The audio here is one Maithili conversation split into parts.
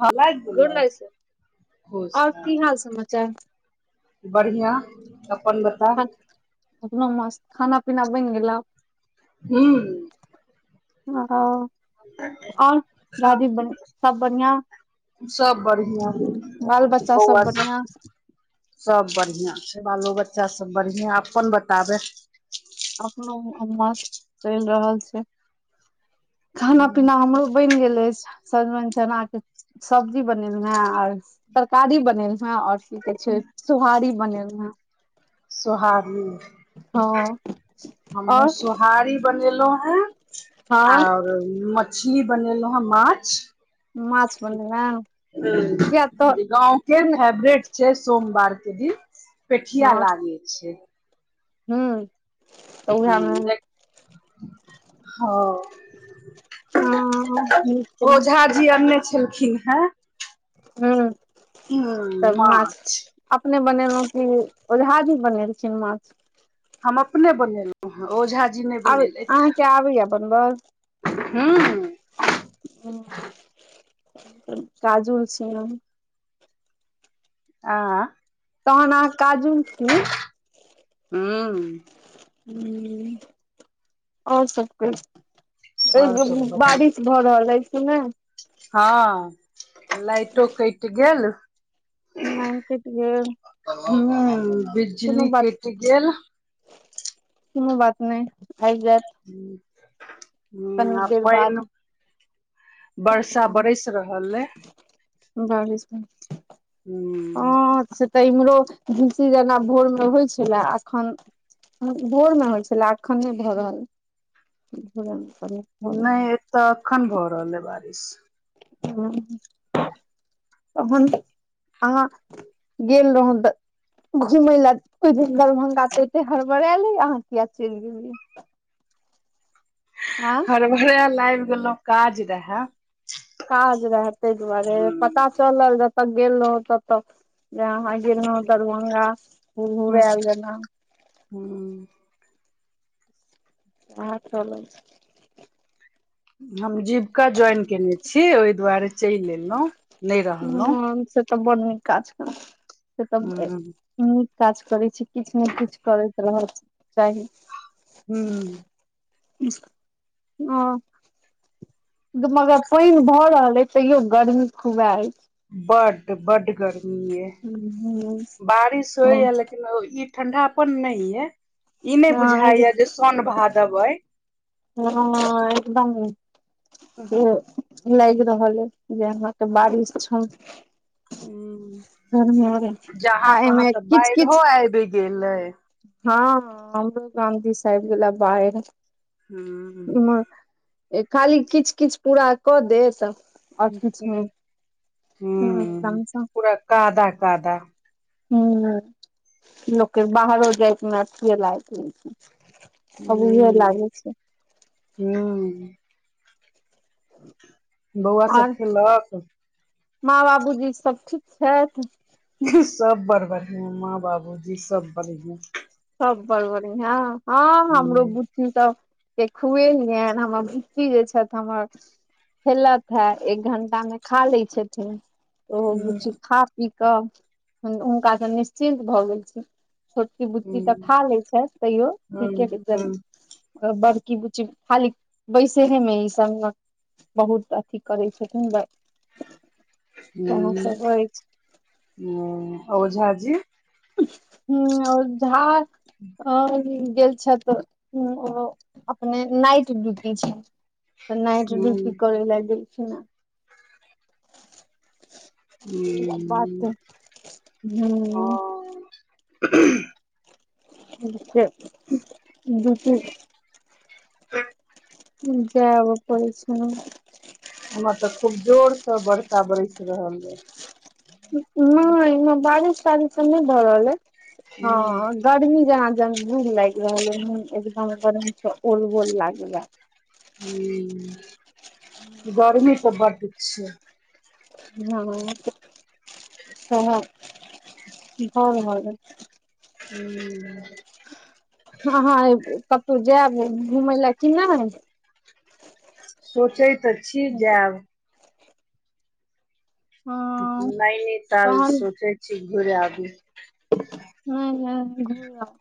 हँ लागि गोर गेलै, लागै छै खुश और रहा। की हाल समाचार बढ़ियाँ, अपन बता? अपनो मस्त, खाना-पीना बनि गेलौ। हूॅं औ आओर दादी बन सब बढ़ियाँ। सब बढ़ियाँ, बच्चा बौआ सब? बढ़िआं सब बढ़ियाँ छै, बालो बच्चा सब बढ़ियाँ, अपन बताबै? अपनो मस्त चैल रहल छै। खाना-पीना हमरो बनि गेल अछि। सजमैन चना के सब्जी बनेलू हें आर तरकारी बनेलू हें आओर की कहै छै सोहारी बनेलौं हें। सोहारी। हँ। हमहुँ और सोहारी बनेलो हें हँ आओर मछ छली बनेलौं हें, माछ। माछ बनलै ये। हुँ जे गाँव के फेवरेट छै सोमवार के दिन। पेठिया लागे छै। हूं। हुं देख हां। हँ ओझाजी आनने छलखिन्ह हें। हूँ हुं माछ। अपने बनेलो की ओझाजी बनेलखिन्ह माछ? हम अपने बनेलो हें ओझाजी नै आब बनेलैथ अहाँके आबैया बनबऽ ह। हुं हुं काजुल छी अहां। आ? तहन अहाँ काजूल छी। हूं हुं और सब कहीं आओर सब [unintelligible] बारिश भ रहल अछि की नै? हां लाइटो कैट गेल। लैन कैट गेल। हुं कोनो बिजली बात कैट गेल। कुनु बात नै आएब जाएत। हूं आ बाद पानि वर्षा बरैस रहल या। बारिस में। हूं तऽ इम्हरो भिनसी जेना भोर मे होइ छले अखन भोर मे होइ छलै आ एखन अखन नहि भऽ रहल भौबे नहि एतऽ अखन भऽ रहल है बारिश। ह तखन अहाँ गेल रहौ तऽ घुमय ल दरभंगा त एते हड़बड़ले अहाँ किया चलि गेलियै? आँ हरबरिया आयब गेलों काज रहै। काज रहे तै दुआरे प पता चलल जतऽ गेल रहौ तत जे अहाँ गेलहु दरभंगा। हूहूआल जेना। हूं हँ चलू। हम जीविका ज्वइन केने छी। ओहि दुआरे चलि एलहुँ। नहि रहलहुँ मन से तऽ बड़ नीक काज केलौ से तऽ ह नीक काज करै छी, किछु ने किछु करैत रह चाही। हूं हां ओ ग मय गे पानि भऽ रहल अछिे तैयो गर्मी खुबे हय। बड बड गर्मी हय। बारिश होइ या लेकि ई ठंडाापन न ये इ नहि हँ बुझाय ये जे सोन भादब हय। ह एकदम लाग रहल ह जे अहाँके बारिश छल। ह जहाँ आ तहाँ एहिमे तऽ किच बाइढ़ो किच आबि गेलै। हँ हमरो गाँधी साहब गेला बाईहर। ह उम्हर खाली किच किच पूरा कऽ देत। आओर किछु नय। हुँ पूरा कादा कादा हम नय लोकके बाहरो जाइके न अथिये लागैत रहै छै।। अबूहे लागै छै। हुँ [inaudible] बौआ सब आर खेलक? माँ - बाबूजी सब ठीक छथि? सब बड़ बढ़ियाँ माँ - बाबूजी सब बढ़ियाँ। सब बड़ बढियाँ। हँ हमरो हूँ बु ई सब के खुयेलियनि हमर बच्ची जे छथि हमर खेलत है। एक घण्टा मे खा लै छथिन। ओहो बुच्ची हूँ खा पी केऽ हुनका से निश्चिन्त भए गेल छी। छोटकी की तऽ हूँ खा ले छथि तैयो ठीके जम हूँ बड़की बुच्ची खाली बैसे हे मे ई सब बहुत अथी करै छथिन सएह हुँ सब अछि ओ आ ओझाजी? हुँ आओर झा अऔर गेल छथि। हुँ ओ अपने नाइट ड्यूटी छै। तऽ नाइट हूँ ड्यूटी करै ले गेलखिन छेना [inaudible] ह बात हुँ हँ आ फेर ड्युटी [unintelligible] जाय आबऽ पड़ै छै ने। एम्हर तऽ खूब जोर से वर्षा बरस रहल ये। नय एम्हर बारिश तारिश तऽ नय भऽ रहल ऐ ये हँ गरमी जेना जंजुग लागि रहल ऐ, मुन एकदम गरमी से ओलबोल लगैये। हुॅं गर्मी तऽ बड्ड छै। हँ सेहे भऽ रहल ऐ हुँ हँ हँ कतहु जायब घुमय लए कि नय? सोचै तऽ छी जैब हँ नैनीताल तहन सोचै छी घुरि आबी हुॅं हुॅं घुमि आउ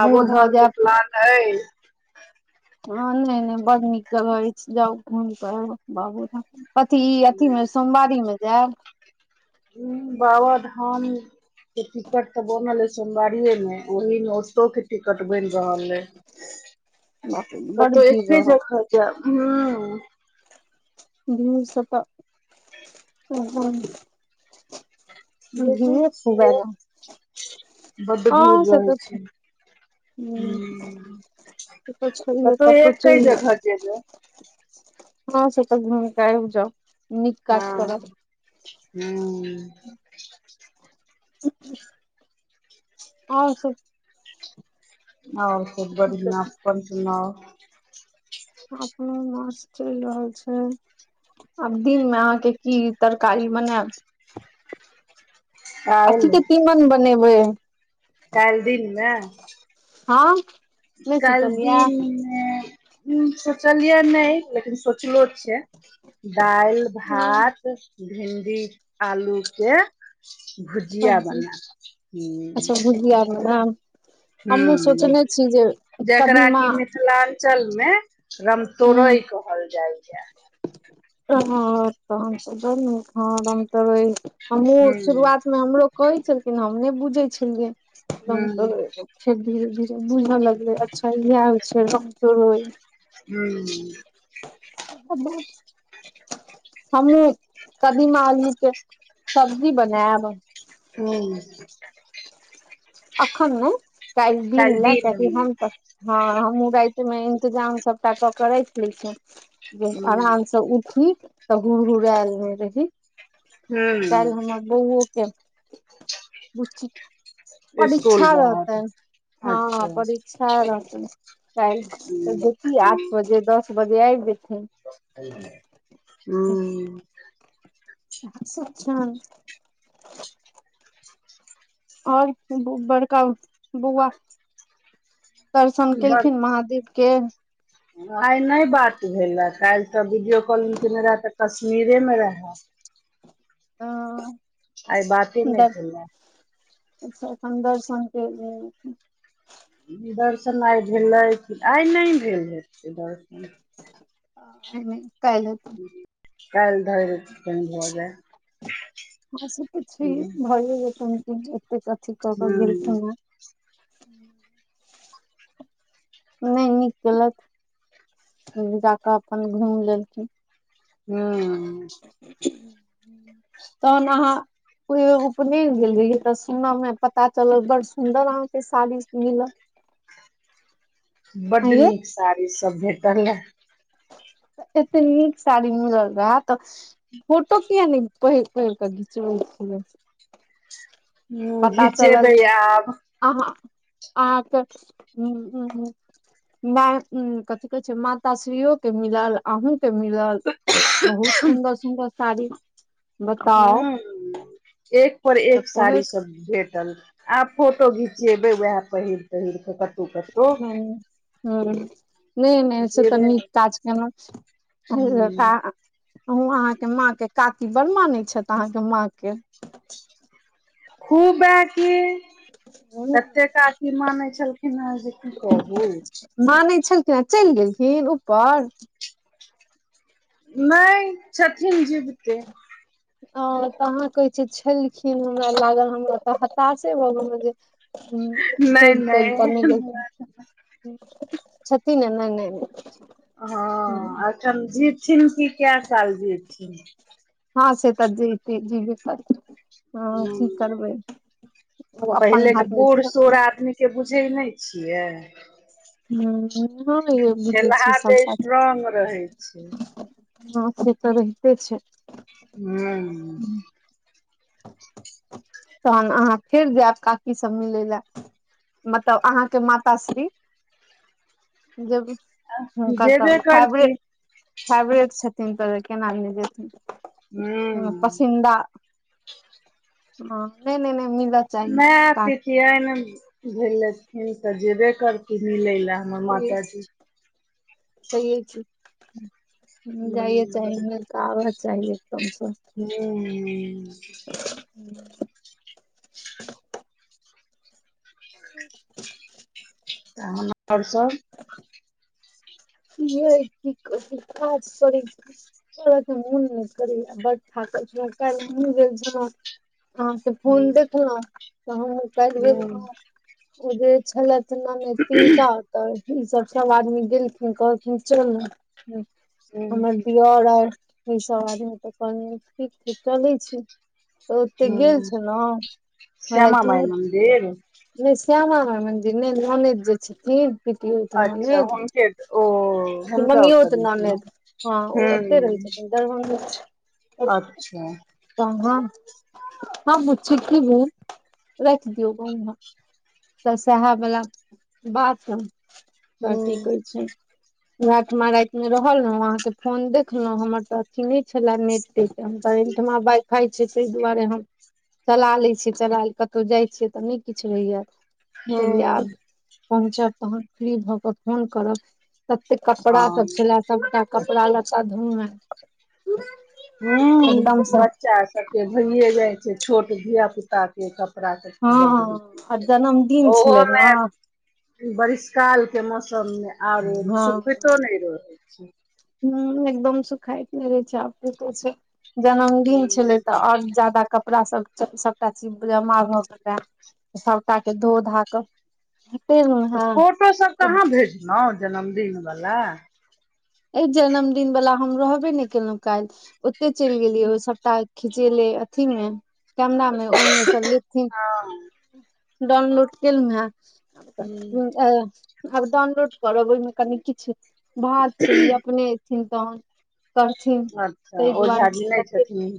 बुढ़ भऽ जैब ऐ हँ नय -नय बड्ड नीक जगह अछि जाउ घूम के आउ बहुत अथी ई अथी मे सोमवारी मे जैब उंम्म बाबाधाम के टिकट तऽ बनल ऐ सोमवारियेमे ओहि मे ओतौ के टिकट बनि रहल ऐ [inaudible] बाप रे बड कतौ भीड़ एके जगह जैब हुॅं दूर से तऽ इहे नीक [unintelligible] काम देखै जैब छियै अहा बड्ड भीड़ हँ से रहै तऽ छै। हूं से तऽ छैहे कतौ एके चलि जगह जेबै जायब हँ से तऽ घुमिक आबि जाउ नीक काज करब हँ हुॅं [inaudible] [inaudible] आउ अहुॅं सब [inaudible] आओर सब की बढ़िआँ करब अपन सुनाउ अपनो मास चलि रहल छै। आब दिन मे अहाँके की तरकारी बनायब अथी के काल्हि तीमन बनेबै काल्हि दिनमे हँ नहि काल्हि सोचलियै दिनमे हम सोचलियै नहि लेकिन सोचलो छै दालि हँ भात भिंडी आलू के भुजिया सब्जी बनेब हू हमहुॅं सोचने छी जे जकरा कदीमा कि मिथिलांचल मे हूँ रमतोड़ई कहल जाइये हॅं तहन तऽ बड नीक हं रमतोरयि हमहुँ ह शुरुआत मे हमरो कहै छलखिन हम नय बुझै छलियै ह रमतोरई फेर धीेरे- धीरे बुझऽ लगलै अच्छा इएह होइ छै रमतोरइ हू [unintelligible] हमहु कदीमा अलू के सब्जी बनेब हू अखन नय कल्हि दिन ले काल्हि कियाकि दिनमे हम हँ हमहुॅं राति मे इंतजाम सबटा क के राखि लै छियनि जे आराम से उठी तऽ हुरहुरलि नै रही ह काल्हि ह हमर बौओ के बुच्ची स्कूल परीक्षा बहुत रहतनि, हं अच्छा ह परीक्षा रहतनि काल्हि त जेेती आठ बजे दस बजे आबि जेथिन हूंउ सेह सेह छनि आओर बड़का बौआ दर्शन बड़ केलखिन महादेव के आइ नय बात भेलए काल्हि तऽ वीडियो कॉलिंग केनै रहए तऽ कश्मीरे मे रहए अंऽ अइ बाते नय भेला अच्छा अखन‌ दर्शन फेर भ जेतै दर्शन आइ भेलै आइ नय भेल हेतै दर्शन आइ नय काइल हेतै काइल धरि कहि भ जाय ह से तऽ छै भय जेतै एतेक अथी क के हूँ गेलरखिंन हे नय नीक केलथि जाकऽ अपन घूइम लेलखिन हूं तहन आहाँ कहियो उपनेन गेल रहिये त सुन मे पता चलल बड़ सुंदर आहाँ के साड़ी सब मिलल [inaudible] बड्ड यै नीक साड़ी सब भेटल लै। एते नीक साड़ी मिलल रहा तऽ फोटो किया नहि पहिर पहिर क घिचबै छियै? ह घिचेबै आब। आह आ तऽ ह ह ह। कथि कहै छैय मासा सुयोग्य मिलल। अहूँ के मिलल बहुत सुन्दर सुन्दर साड़ी बताउ हूं एक पर तऽ एक साड़ी पहिर सब भेटल। आब फोटो घिचेबै उएह पहिर पहिर कऽ कत हूं हूं नहि नहि स तऽ जेबै नीक काज केलौ। हूँ अहाँके माँ के काकी बड मानै छैथ अहाँके माँ के। खूबे कि। ह एत्ते काकी माने छलखिन ह जे कि कहू। मानै छलखिन आ चलि गेलखिन ऊपर? नहि छथिन जीबते। ह तऽ अहाँ कहै छिय छलखिन हमरा लागल हमरा तऽ हताशे भ गेलौ जे ह जे चैइल तैइल त नहि गेलखिन। छथिने नहि नहि नहि। ह एखन जीबथिन कि कए साल जीबथिन। ह से त जीथिन [unintelligible] ह कि करबै ओ अपन पहिले के हाथमे बूढ़ सूढ़ [unintelligible] आदमी के बुझै नहि छियै। ह ह बझे छिय खेलहा सब देह बात। स्ट्रोंग रहै छै ह से तऽ रहिते छैय। हूं तहन अहाँ फेर जायब काकी सब मिलै लए। मतलब अहाँके माता श्री। जेबै हूंकर तऽ जेबे करती फेबरेट फेवरेट छथिन तऽ केना नहि ह जेथिन पसंदीदा ह नहि नहि नहि मिलत मै पीतीयैन भैलखिन त जेबै कर्थिन मिलैल। [unintelligible] जाये चहे [unintelligible] [unintelligible] चाही [unintelligible] हूं [inaudible] [inaudible] तऽन आओर सब? की यै की [unintelligible] ओ मोन नहि करैए बड [unintelligible] अहाँके फोन देखलहु तऽ हम ओ कल गेल ओ जे छलै एना नहि तिनकात ई सब सब आदमी गेलखिन कहलखिन चलू। हमर दियौर आ ई सब आदमी तऽ कहल ठीक छैय चलै छी। तऽ ओते गेल छलौ [unintelligible] श्यामा माइ मन्दिर नय श्यामा माय मन्दिर नय ननैद जे छथिन पितियौत अच्छा ननैद हुनके ओ अथी हुनका ओतऽ मम्मीओत गेलखिन ननैद हँ ओ ओते रहै छथिन दरभंगे मऽ अच्छऽ कहाँ हँ बुच्ची की भेल राइख दियो ग उम्हर तऽ सेहा बला बात अ तऽ हूं की कहै छै ओहै ठुमा राइत मे रहल रहूँ अहाँकेँ फोन देखलहुँ हमर तऽ अथी नय छलै नेट टेट हम कहे ओयठमा वाइ फाइ छै तैय दुआरे हम चला लै छियै चला कतहु जाइ छियै तऽ नय किछ रहैय कहलियै हूं आब पहुँचब तहन फ्री भऽ कऽ फोन करब तते कपड़ा हँ सब छले सबटा कपड़ा लत्ता धुमे हुँ बच्चा सबके भइए जाइ छै छोट धिय पुता छिये कपड़ा सब तऽ हँ [unintelligible] आ छै जन्मदिन छलै ने ओहोमे हँ बरिशकाल केँ मौसम मे आओर सुखैतो नय रहै छै हुँ एकदम सुखाय नय रहै छै अप कतो सँ जन्मदिन छै छले तऽ आओर जादा कपड़ा सब तऽ सभटा चीज जमा भऽ गेल रहै सभटा केँ धो धा कऽ तऽ ट्रेनमे फोटो सब कहाँ भेजलहुँ जन्मदिन वला एह जन्मदिन वला हम रहबे नै केलहुँ काइल ओते चैल गेलियै हूँ ओ सभटा खिचेले अथी मे कैमरा मे ओहिमे सँ लेथिन डाउनलोड केलहु है हँ [unintelligible] आब डाउनलोड करब ओहिमे कनी किछ भात छै ई अपने एथिन तहन करथिन अच्छा ताहि ओझा दुआरे जी नय नहि लगेलिये छथिन